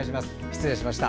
失礼しました。